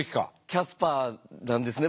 キャスパーなんですね